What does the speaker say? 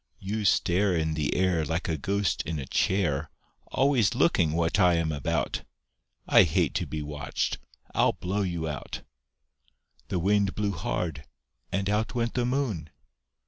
You stare In the air Like a ghost in a chair, Always looking what I am about; I hate to be watched I'll blow you out." The Wind blew hard, and out went the Moon.